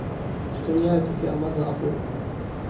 人に会うときはまずアポを